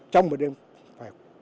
trong một đêm phải